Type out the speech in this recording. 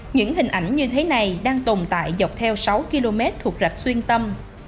những hình ảnh như thế này đang tồn tại dọc theo sáu km thuộc rạch xuyên tâm